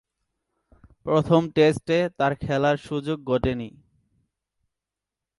প্রথম টেস্টে তার খেলার সুযোগ ঘটেনি।